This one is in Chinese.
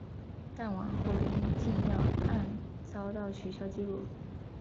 但往后因禁药案遭到取消记录。